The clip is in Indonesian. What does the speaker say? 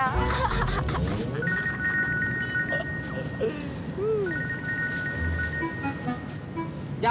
mau tau aja